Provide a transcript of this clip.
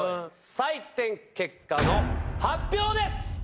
採点結果の発表です！